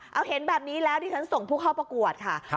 เอาเห็นแบบนี้แล้วที่ฉันส่งผู้เข้าประกวดค่ะ